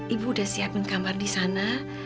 ibu udah siapin kamar di sana